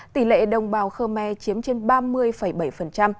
tỷ lệ đồng bào khơ me chiếm trên ba mươi bảy